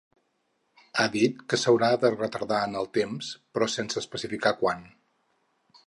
Ha dit que ‘s’haurà de retardar en el temps’, però sense especificar quant.